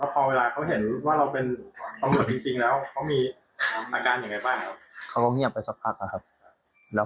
พอเวลาเขาเห็นว่าเราเป็นตำรวจจริงแล้ว